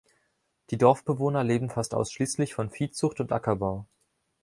Die Dorfbewohner leben fast ausschließlich von Viehzucht und Ackerbau.